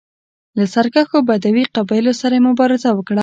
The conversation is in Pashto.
له سرکښو بدوي قبایلو سره یې مبارزه وکړه.